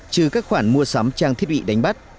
trừ các khoản mua sắm trang thiết bị đánh bắt